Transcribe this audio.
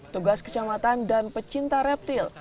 tugas kecamatan dan pecinta reptil